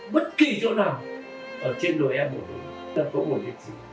bất kỳ chỗ nào ở trên đội a một sẽ có một nguyện sĩ